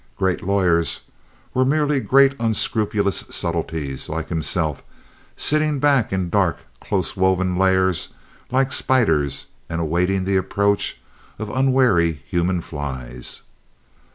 Great lawyers were merely great unscrupulous subtleties, like himself, sitting back in dark, close woven lairs like spiders and awaiting the approach of unwary human flies.